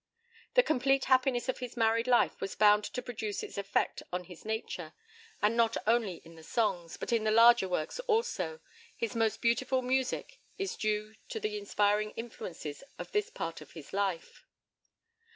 The complete happiness of his married life was bound to produce its effect on his nature, and not only in the songs, but in the larger works also, his most beautiful music is due to the inspiring influences of this part of his life.